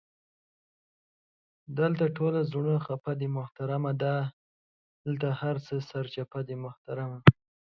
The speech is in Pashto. دالته ټول زړونه خفه دې محترمه، دالته هر څه سرچپه دي محترمه!